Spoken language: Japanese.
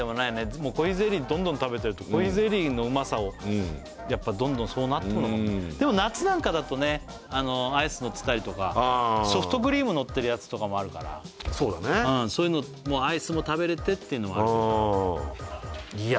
もうコーヒーゼリーどんどん食べてるとコーヒーゼリーのうまさをどんどんそうなってくのかもねでも夏なんかだとねアイスのってたりとかソフトクリームのってるやつとかもあるからそういうのもアイスも食べれてっていうのもあるけどいや